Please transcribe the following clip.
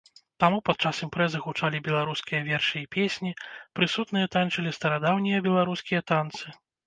Таму падчас імпрэзы гучалі беларускія вершы і песні, прысутныя танчылі старадаўнія беларускія танцы.